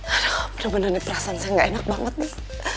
aduh bener bener nih perasaan saya gak enak banget nih